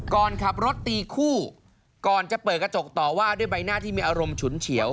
ก่อนขับรถตีคู่ก่อนจะเปิดกระจกต่อว่าด้วยใบหน้าที่มีอารมณ์ฉุนเฉียว